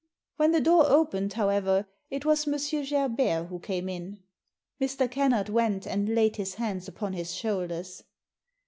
When the door opened, however, it was M. Gerbert who came in. Mr. Kennard went and laid his hands upon his shoulders.